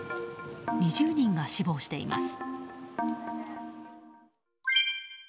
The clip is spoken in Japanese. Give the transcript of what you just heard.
２０人が死亡しています。